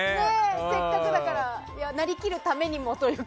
せっかくだからなりきるためにもみたいな。